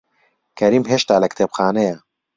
کەریم هێشتا لە کتێبخانەیە.